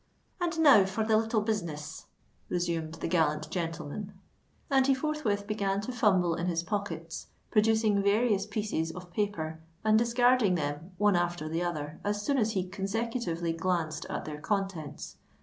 "And now for the little business," resumed the gallant gentleman; and he forthwith began to fumble in his pockets, producing various pieces of paper, and discarding them one after the other as soon as he consecutively glanced at their contents.